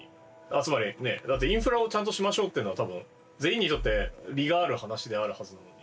つまりだってインフラをちゃんとしましょうっていうのは多分全員にとって利がある話であるはずなのに。